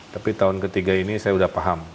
tapi tahun ketiga ini saya sudah paham